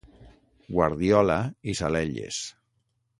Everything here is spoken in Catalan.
Guardiola i Salelles.